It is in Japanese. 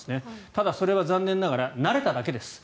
ただ、それは残念ながら慣れただけです。